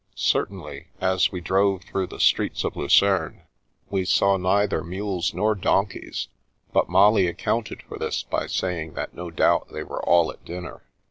Certainly, as we drove through the streets of Lucerne, we saw neither mules nor donkeys, but Molly accounted for this by saying that no doubt they were all at dinner.